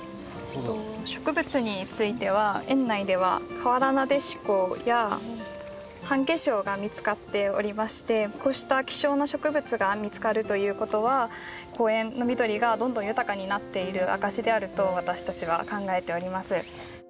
植物については園内ではカワラナデシコやハンゲショウが見つかっておりましてこうした希少な植物が見つかるということは公園の緑がどんどん豊かになっている証しであると私たちは考えております。